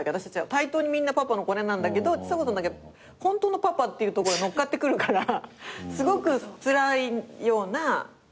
対等にパパのコネなんだけどちさ子さんだけ本当のパパっていうとこが乗っかってくるからすごくつらいような感じのことは。